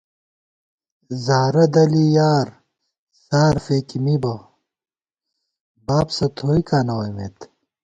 زارہ دَلی یا زار فېکی مِبہ بابسہ تھوئیکاں نہ ووئیمېت